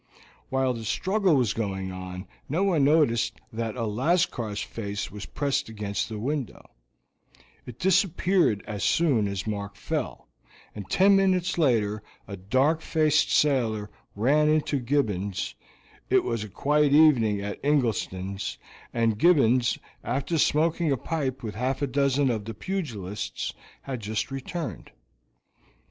While the struggle was going on no one noticed that a Lascar's face was pressed against the window; it disappeared as soon as Mark fell, and ten minutes later a dark faced sailor ran into Gibbons'; it was a quiet evening at Ingleston's, and Gibbons, after smoking a pipe with half a dozen of the pugilists, had just returned.